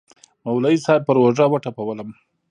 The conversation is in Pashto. مولوي صاحب پر اوږه وټپولوم.